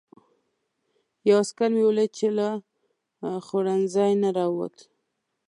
یو عسکر مې ولید چې له خوړنځای نه راووت.